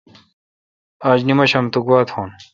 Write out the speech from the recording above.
آج نمشام تو گوا تھون۔